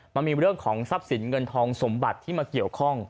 มันมีเรื่องของทรัพย์สินเงินทองสมบัติที่มาเกี่ยวข้อง